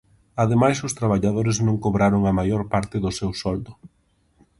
Ademais os traballadores non cobraron a maior parte do seu soldo.